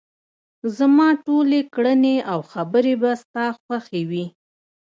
زما ټولې کړنې او خبرې به ستا خوښې وي.